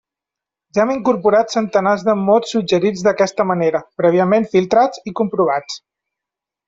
Ja hem incorporat centenars de mots suggerits d'aquesta manera, prèviament filtrats i comprovats.